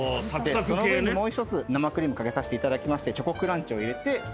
その上にもう一つ生クリーム掛けさせていただきましてチョコクランチを入れて。